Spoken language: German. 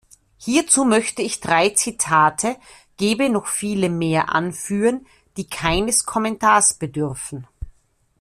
Hierzu möchte ich drei Zitate gäbe noch viele mehr anführen, die keines Kommentars bedürfen.